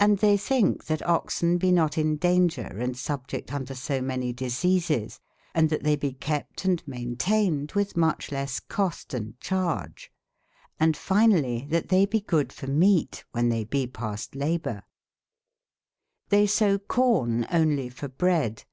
Hnd they tbinhe tbat oxen be not in daunger and subject unto somany diseases, and tbat tbey be hepte andmainteinedvpitbmucbele8seco8te& cbarge : and finallye tbat tbey be good for meate, wben tbey be past laboure^X^bey sowe come onelye for breade.